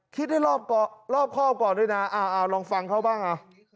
คิดให้รอบครอบก่อนด้วยนะเอาลองฟังเขาบ้าง